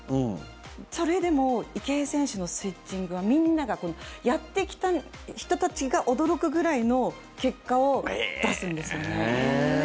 それでも池江選手のスイッチングはみんなが、やってきた人たちが驚くぐらいの結果を出すんですよね。